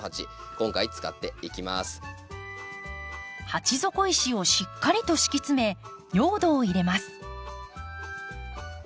鉢底石をしっかりと敷き詰め用土を入れます。